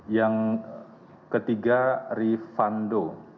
yang ketiga ri fando